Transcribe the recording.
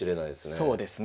そうですね。